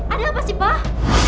ada apa sih pah